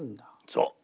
そう。